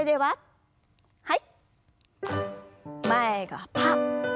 はい。